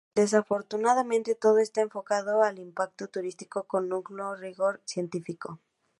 Desafortunadamente todo está enfocado al impacto turístico con nulo rigor científico.